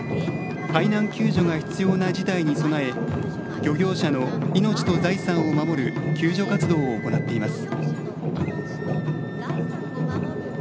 海難救助が必要な事態に備え漁業者の命と財産を守る救助活動を行っています。